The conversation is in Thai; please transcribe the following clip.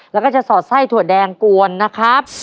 แล้วก็จะสอดไส้ถั่วแดงกวนนะครับ